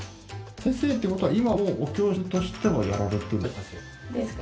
先生ってことは今もうお教室としてもやられてるんですか？